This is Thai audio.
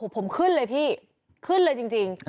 ผมขึ้นเลยพี่ขึ้นเลยจริง